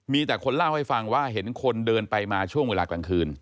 มีแต่คนเล่าให้ฟังว่าเห็นคนเดินไปมาช่วงเวลากลางคืน